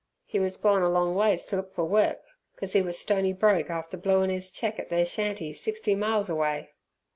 He was gone along ways ter look fur work, cos 'e was stony broke after blueing 'is cheque at ther shanty sixty miles away."